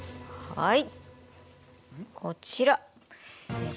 はい。